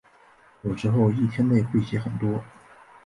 有时候一天内会写很多。